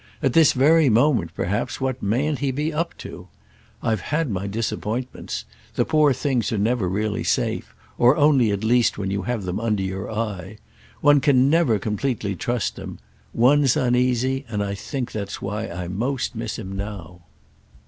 At this very moment perhaps what mayn't he be up to? I've had my disappointments—the poor things are never really safe; or only at least when you have them under your eye. One can never completely trust them. One's uneasy, and I think that's why I most miss him now."